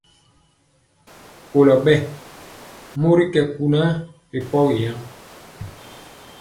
Kolɔ ɓɛɛ mori kɛ kunaa ri pɔgi yoo.